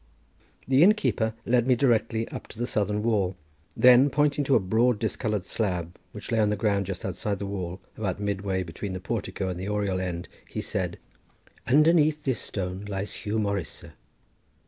The innkeeper led me directly up to the southern wall, then pointing to a broad discoloured slab, which lay on the ground just outside the wall, about midway between the portico and the oriel end, he said: "Underneath this stone lies Huw Morris, sir."